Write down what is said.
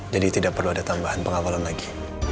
jadi tidak perlu ada tambahan pengawalan lagi